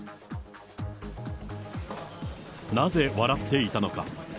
なぜ笑っていたのか。